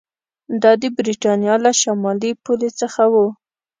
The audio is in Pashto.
دا د برېټانیا له شمالي پولې څخه و